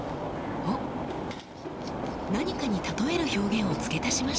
何かに例える表現を付け足しましたね。